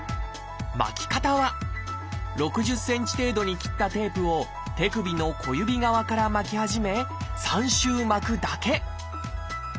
巻き方は６０ｃｍ程度に切ったテープを手首の小指側から巻き始め３周巻くだけ。